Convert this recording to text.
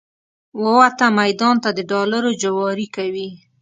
ووته میدان ته د ډالرو جواري کوي